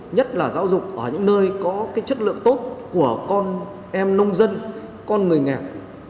nhất là giáo dục ở những nơi có chất lượng tốt của con em nông dân con người nghèo